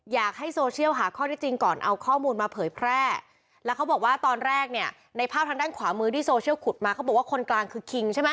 อยากให้โซเชียลหาข้อที่จริงก่อนเอาข้อมูลมาเผยแพร่แล้วเขาบอกว่าตอนแรกเนี่ยในภาพทางด้านขวามือที่โซเชียลขุดมาเขาบอกว่าคนกลางคือคิงใช่ไหม